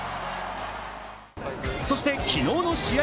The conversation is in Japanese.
そして昨日の試合